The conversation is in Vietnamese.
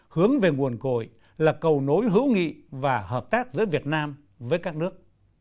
hướng về nguồn cội là cầu nối hữu nghị và hợp tác giữa việt nam với các nước